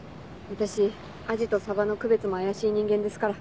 私アジとサバの区別も怪しい人間ですから。